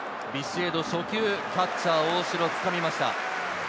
ビシエド、初球、キャッチャー・大城がつかみました。